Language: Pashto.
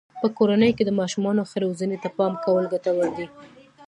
په کورنۍ کې د ماشومانو ښې روزنې ته پام کول ګټور دی.